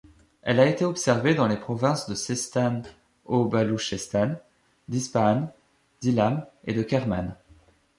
Elle a été observée dans les provinces de Seistan-o-Balouchestan, d'Ispahan, d'Ilam et de Kerman.